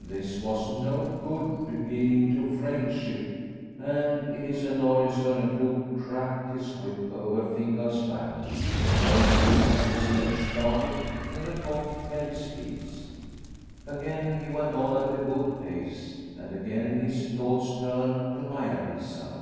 This was no good beginning to friendship, and in his annoyance Orneclou cracked his whip over Fingal's back. No sooner had the sledge started than the cock held his peace. Ensign Orneclou 187 Again he went on at a good pace, and again his thoughts turned to Maia Lisa.